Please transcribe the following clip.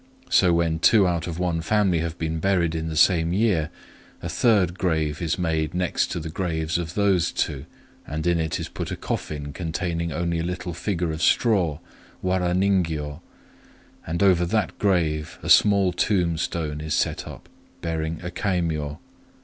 So when two out of one family have been buried in the same year, a third grave is made next to the graves of those two, and in it is put a coffin containing only a little figure of straw,—wara ningyô; and over that grave a small tombstone is set up, bearing a kaimyô.